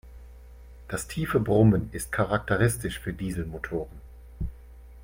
Das tiefe Brummen ist charakteristisch für Dieselmotoren.